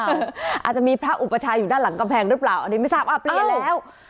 อาจจะมีพระอุปชาอยู่ด้านหลังกำแพงหรือเปล่าอันนี้ไม่ทราบอ่ะเปลี่ยนแล้ว